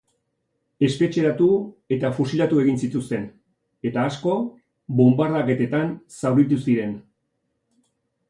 Espetxeratu eta fusilatu egin zituzten, eta asko bonbardaketetan zauritu ziren.